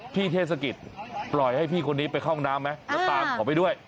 เทศกิจปล่อยให้พี่คนนี้ไปเข้าห้องน้ำไหมแล้วตามเขาไปด้วย